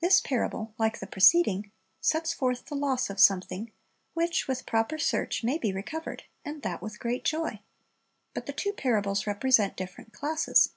This parable, like the preceding, sets forth the loss of somiCthing which with proper search may be recovered, and that with great joy. But the two parables represent different classes.